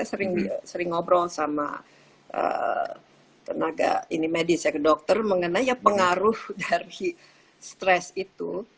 saya sering ngobrol sama tenaga medis dokter mengenai pengaruh dari stress itu